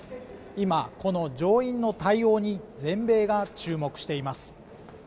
今この上院の対応に全米が注目しています